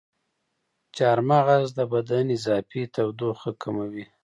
چارمغز د بدن اضافي تودوخه کموي.